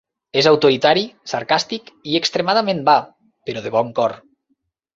És autoritari, sarcàstic i extremadament va, però de bon cor.